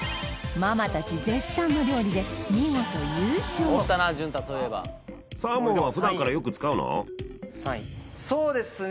ママ達絶賛の料理で見事優勝そうですね